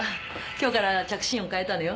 今日から着信音を変えたのよ。